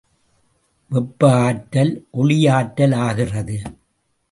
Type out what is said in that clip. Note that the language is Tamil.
வெப்ப ஆற்றல் ஒளியாற்றலாகிறது.